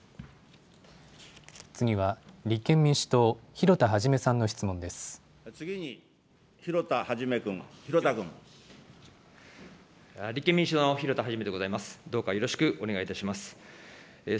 次は立憲民主党、広田一さんの質問です。